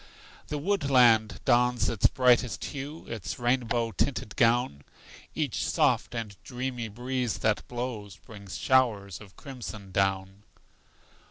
The woodland dons its brightest hue, Its rainbow tinted gown; Each soft and dreamy breeze that blows Brings showers of crimson down.